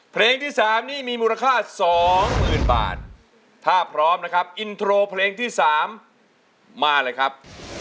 เพลงที่๓นี้มีมูลค่า๒๐๐๐บาทถ้าพร้อมนะครับอินโทรเพลงที่๓มาเลยครับ